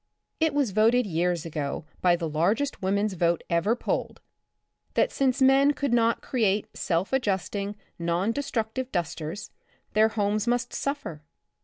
It was voted years ago by the largest womans' vote ever polled, that since men could not create self adjusting, non destructive dusters, their homes must suffer.